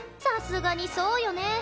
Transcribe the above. さすがにそうよね。